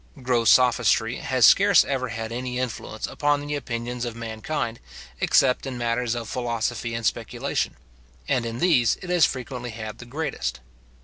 Gross sophistry has scarce ever had any influence upon the opinions of mankind, except in matters of philosophy and speculation; and in these it has frequently had the greatest.